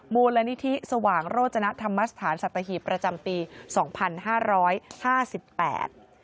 มูลนิธิสว่างโรจนธรรมสถานสัตหีบประจำปีสองพันห้าร้อยห้าสิบแปด